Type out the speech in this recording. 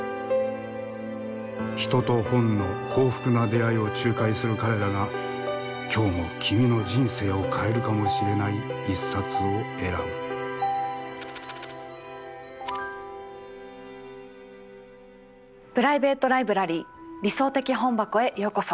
人と本の幸福な出会いを仲介する彼らが今日も君の人生を変えるかもしれない一冊を選ぶプライベート・ライブラリー「理想的本箱」へようこそ。